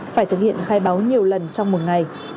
phải thực hiện khai báo nhiều lần trong một ngày